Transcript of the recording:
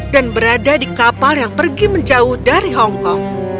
dan berada di kapal yang pergi menjauh dari hong kong